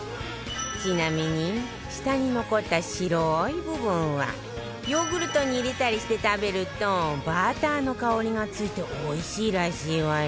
ちなみに下に残った白い部分はヨーグルトに入れたりして食べるとバターの香りがついておいしいらしいわよ